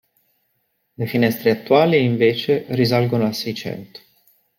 Le finestre attuali invece risalgono al Seicento.